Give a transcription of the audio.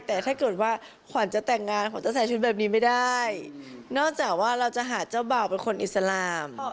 แต่ถ้าเกิดว่าขวัญจะแต่งงานขวัญจะใส่ชุดแบบนี้ไม่ได้นอกจากว่าเราจะหาเจ้าบ่าวเป็นคนอิสลาม